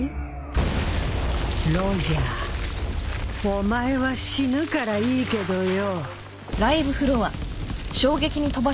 ロジャーお前は死ぬからいいけどよ